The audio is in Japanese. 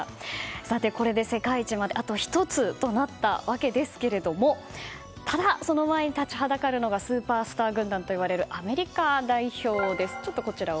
さて、これで世界一まであと１つとなったわけですがただ、その前に立ちはだかるのがスーパースター軍団といわれるアメリカ代表です。